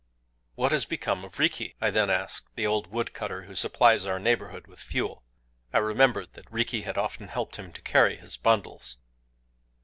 "What has become of Riki?" I then asked the old woodcutter who supplies our neighborhood with fuel. I remembered that Riki had often helped him to carry his bundles.